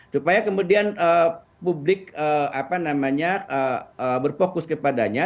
supaya kemudian publik berfokus kepadanya